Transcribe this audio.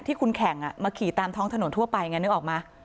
ที่คุณแข่งมาขี่ตามท้องถนนทั่วไปไงนึกออกไหม